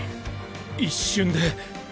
一瞬で。